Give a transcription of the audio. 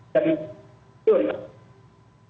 jadi itu sudah diperhatikan